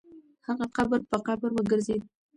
هغه قبر په قبر وګرځېد.